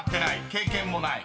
経験もない？］